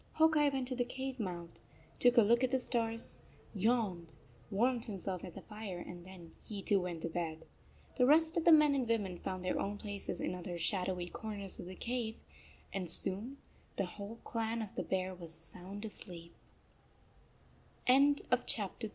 Hawk Eye went to the cave mouth, took a look at the stars, yawned, warmed himself at the fire, and then he too went to bed. The rest of the men and women found their own places in other shadowy corners of the cave, and soon the whole clan of the Bear was